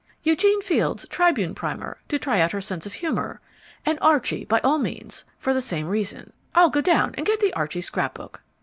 Eugene Field's Tribune Primer to try out her sense of humour. And Archy, by all means, for the same reason. I'll go down and get the Archy scrapbook."